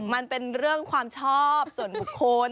มันเป็นเรื่องความชอบส่วนบุคคล